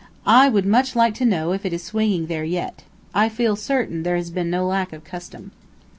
I would much like to know if it is swinging there yet. I feel certain there has been no lack of custom.